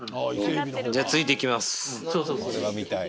じゃあついて行きます。